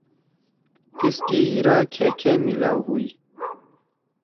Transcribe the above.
تیِسکے ہیرا کھأکأ مِلاؤ ہُوئی؟